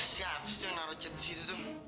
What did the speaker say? siap situ yang ngaro cek di situ tuh